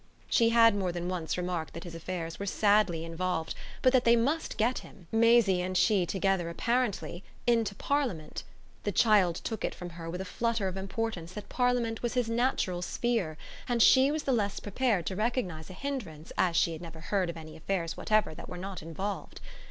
She had more than once remarked that his affairs were sadly involved, but that they must get him Maisie and she together apparently into Parliament. The child took it from her with a flutter of importance that Parliament was his natural sphere, and she was the less prepared to recognise a hindrance as she had never heard of any affairs whatever that were not involved.